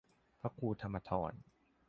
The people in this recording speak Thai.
พระครูธรรมธร